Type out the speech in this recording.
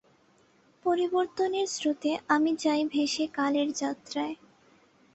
পরিবর্তনের স্রোতে আমি যাই ভেসে কালের যাত্রায়।